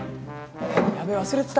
やべえ忘れてた。